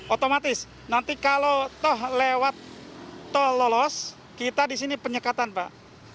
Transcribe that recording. otomatis nanti kalau tol lewat tol lolos kita disini penyekatan pak